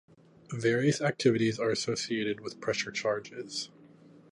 Various activities are associated with pressure changes.